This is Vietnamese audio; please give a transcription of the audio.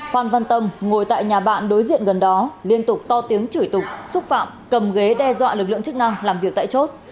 phan văn tâm ngồi tại nhà bạn đối diện gần đó liên tục to tiếng chửi tục xúc phạm cầm ghế đe dọa lực lượng chức năng làm việc tại chốt